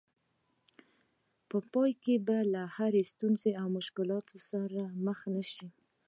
په پای کې به له ستونزو او مشکلاتو سره مخ نه شئ.